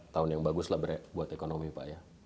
tahun yang bagus lah buat ekonomi pak ya